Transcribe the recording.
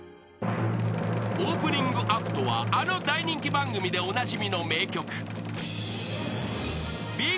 ［オープニングアクトはあの大人気番組でおなじみの名曲］